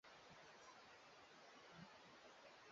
nishere asante sana kwa habari hizo za michezo zuhra